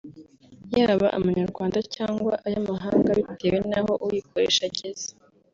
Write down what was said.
y’aba amanyarwanda cyangwa ay’amahanga bitewe n’aho uyikoresha ageze